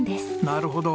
なるほど！